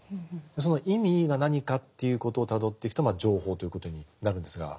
その意味が何かということをたどっていくと情報ということになるんですが。